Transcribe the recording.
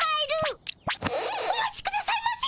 お待ちくださいませ。